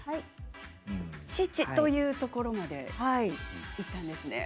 「父」というところまで行ったんですね。